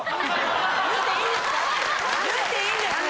言っていいんですか？